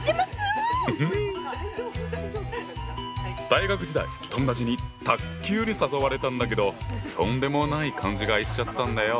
大学時代友達に卓球に誘われたんだけどとんでもない勘違いしちゃったんだよ！